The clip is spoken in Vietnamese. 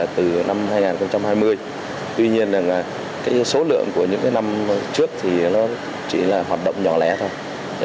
từ năm hai nghìn hai mươi tuy nhiên số lượng của những năm trước thì nó chỉ là hoạt động nhỏ lẻ thôi